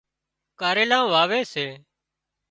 ڪاريلان واوي سي